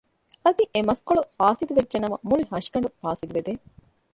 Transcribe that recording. އަދި އެ މަސްކޮޅު ފާސިދު ވެއްޖެ ނަމަ މުޅި ހަށިގަނޑު ފާސިދު ވެދޭ